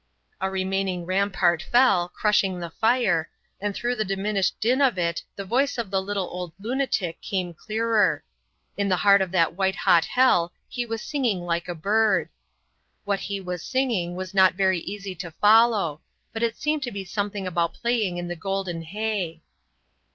A remaining rampart fell, crushing the fire, and through the diminished din of it the voice of the little old lunatic came clearer. In the heart of that white hot hell he was singing like a bird. What he was singing it was not very easy to follow, but it seemed to be something about playing in the golden hay.